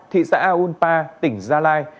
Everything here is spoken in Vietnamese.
thị xã unpa tỉnh gia lai